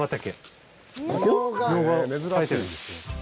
みょうが生えてるんですよ。